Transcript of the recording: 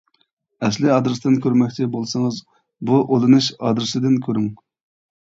ئەسلى ئادرېستىن كۆرمەكچى بولسىڭىز بۇ ئۇلىنىش ئادرېسىدىن كۆرۈڭ!